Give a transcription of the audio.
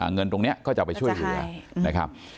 เงินตรงนี้ก็จะไปช่วยเหลือนะครับ